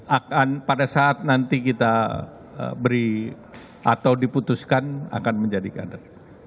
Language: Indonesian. akan pada saat nanti kita beri atau diputuskan akan menjadi kader